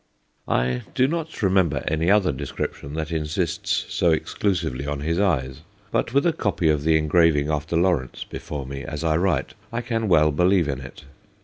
...' I do not remember any other description that insists so exclusively on his eyes, but with a copy of the engraving after Lawrence before me as I write I can well believe in it.